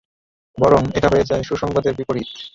বরং এটা হয়ে যায় সুসংবাদের বিপরীত।